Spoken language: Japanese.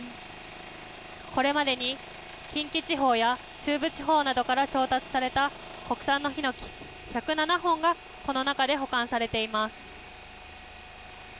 これまでに近畿地方や、中部地方などから調達された国産のヒノキ１０７本がこの中で保管されています。